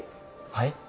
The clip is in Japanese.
はい？